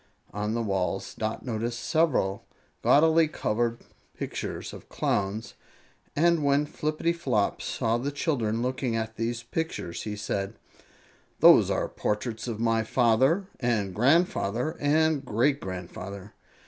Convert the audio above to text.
On the walls Dot noticed several gaudily colored pictures of Clowns, and when Flippityflop saw the children looking at these pictures he said: "Those are portraits of my father and grandfather and great grandfather.